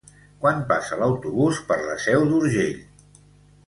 Quan passa l'autobús per la Seu d'Urgell?